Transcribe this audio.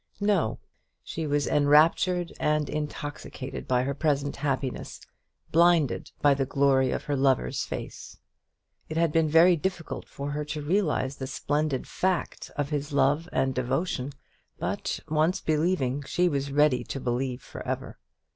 No; she was enraptured and intoxicated by her present happiness, blinded by the glory of her lover's face. It had been very difficult for her to realize the splendid fact of his love and devotion; but once believing, she was ready to believe for ever.